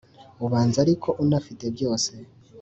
ubanza ariko unafite byose